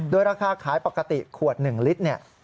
โดยราคาขายปกติขวด๑ลิตรเนี่ย